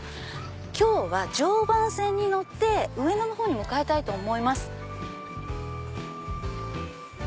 今日は常磐線に乗って上野のほうに向かいます。